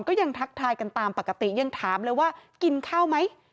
ทักทายกันตามปกติยังถามเลยว่ากินข้าวไหม